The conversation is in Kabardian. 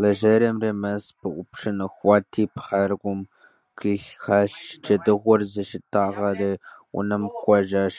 Лэжьэрейми мэз пыупщӀын иухати, пхъэр гум кърилъхьэщ, джэдыгур зыщитӀагъэри унэм кӀуэжащ.